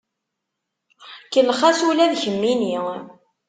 Kellex-as ula d kemmini.